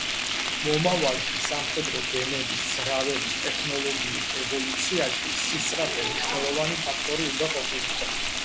მომავალში, სამხედრო გემების ძრავების ტექნოლოგიურ ევოლუციაში სისწრაფე მნიშვნელოვანი ფაქტორი უნდა ყოფილიყო.